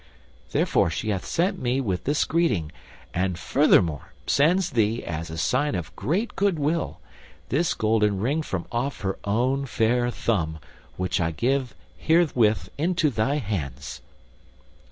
Therefore she hath sent me with this greeting, and furthermore sends thee, as a sign of great good will, this golden ring from off her own fair thumb, which I give herewith into thy hands."